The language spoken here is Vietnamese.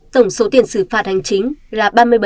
tổng số tiền xử phạt hành chính là ba mươi bảy